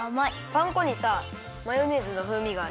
パン粉にさマヨネーズのふうみがある。